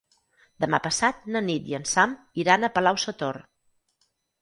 Demà passat na Nit i en Sam iran a Palau-sator.